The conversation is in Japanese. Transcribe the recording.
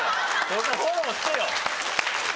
そこフォローしてよ！